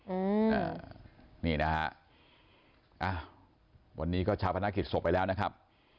อือนี่นะฮะวันนี้ก็ชาวพนาคิดสกไปแล้วนะครับ